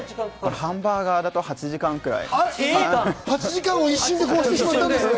ハンバーガーだと８時間くらい。